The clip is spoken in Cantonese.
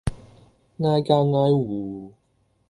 挨家挨戶